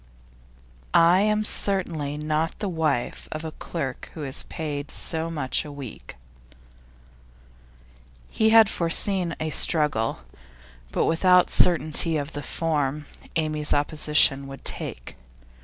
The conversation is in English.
'I am certainly not the wife of a clerk who is paid so much a week.' He had foreseen a struggle, but without certainty of the form Amy's opposition would take.